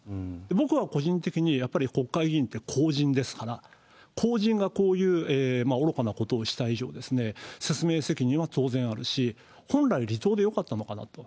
僕は個人的にやっぱり、国会議員って公人ですから、公人がこういう愚かなことをした以上、説明責任は当然あるし、本来、離党でよかったのかなと。